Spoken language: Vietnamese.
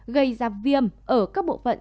gây ra viêm ở các bộ phận